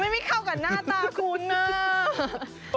ไม่เข้ากับหน้าตาคุณนะ